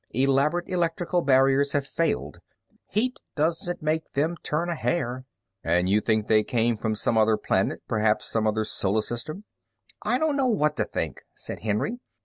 Elaborate electrical barriers have failed. Heat doesn't make them turn a hair." "And you think they came from some other planet, perhaps some other solar system?" "I don't know what to think," said Henry.